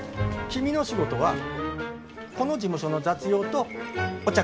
君の仕事はこの事務所の雑用とお茶くみ。